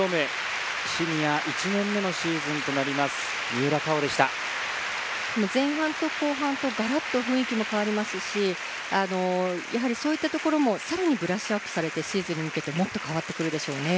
三浦佳生でした前半と後半とガラッと雰囲気も変わりますしやはりそういったところもさらにブラッシュアップされてシーズンに向けてもっと変わってくるでしょうね